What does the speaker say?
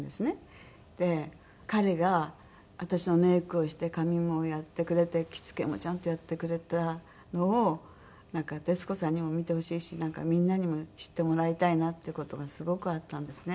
で彼が私のメイクをして髪もやってくれて着付けもちゃんとやってくれたのをなんか徹子さんにも見てほしいしみんなにも知ってもらいたいなって事がすごくあったんですね。